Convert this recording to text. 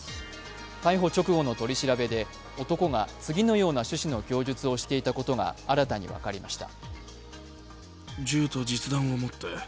逮捕直後の取り調べで、男が次のような趣旨の供述をしていたことが新たに分かりました。